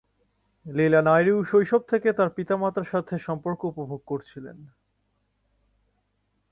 লীলা নায়ডু শৈশব থেকে পিতামাতার সাথে তাঁর সম্পর্ক উপভোগ করেছিলেন।